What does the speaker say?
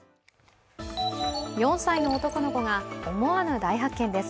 ４歳の男の子が思わぬ大発見です。